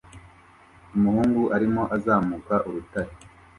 Umuhungu arimo azamuka urutare